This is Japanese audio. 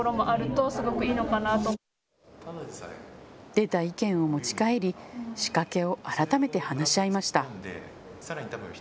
出た意見を持ち帰り仕掛けを改めて話し合いました。